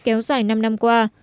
kéo dài năm năm qua